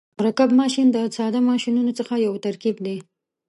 مرکب ماشین د ساده ماشینونو څخه یو ترکیب دی.